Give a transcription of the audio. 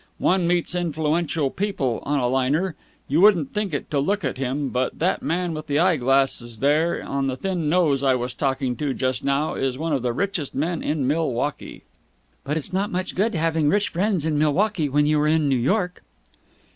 One meets influential people on a liner. You wouldn't think it to look at him, but that man with the eye glasses and the thin nose I was talking to just now is one of the richest men in Milwaukee!" "But it's not much good having rich friends in Milwaukee when you are in New York!"